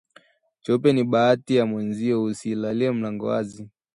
Cheupe ni bahati ya mwenzio usiilalie mlango wazi